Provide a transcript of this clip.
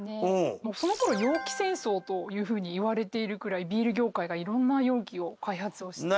その頃容器戦争というふうにいわれているくらいビール業界が色んな容器を開発をしていて。